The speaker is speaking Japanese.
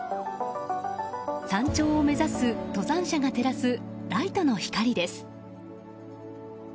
山頂を目指す登山者が照らすライトの光です。